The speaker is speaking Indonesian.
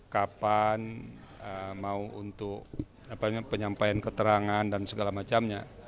kapan mau untuk penyampaian keterangan dan segala macamnya